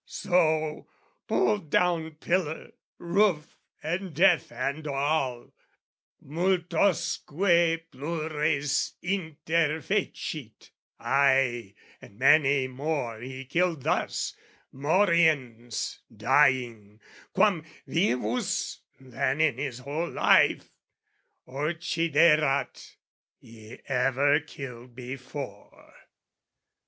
So, pulled down pillar, roof, and death and all, Multosque plures interfecit, ay, And many more he killed thus, moriens, Dying, quam vivus, than in his whole life, Occiderat, he ever killed before.